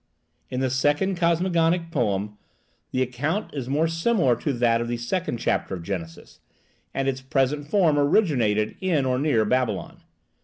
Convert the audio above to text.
In the second cosmogonic poem the account is more similar to that of the second chapter of Genesis, and its present form originated in or near Babylon.